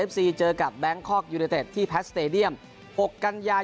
เอฟซีเจอกับแบงค์คอร์กยูนิเต็ตที่แพทสเตรเดียมหกกัญญา